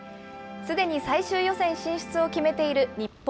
すでに最終予選進出を決めている日本。